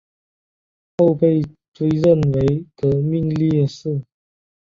后被追认为革命烈士。